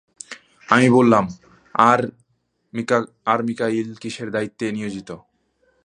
আমি বললাম, আর মীকাঈল কিসের দায়িত্বে নিয়োজিত?